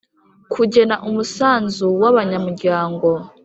Kugena umusanzu w abanyamuryango